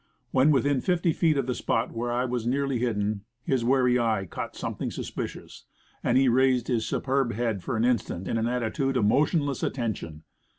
When within fifty feet of the spot where I was nearly hidden, his wary eye caught something suspicious; and he raised his superb head for an instant in an attitude of mo tionless attention.